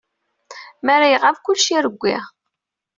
Mi ara iɣab, kullec irewwi.